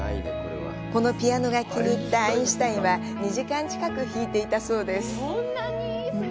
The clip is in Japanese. このピアノが気に入ったアインシュタインは、２時間近く弾いていたそうです。